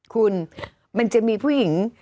คุณมันจะมีผู้หญิง